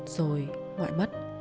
rồi ngoại mất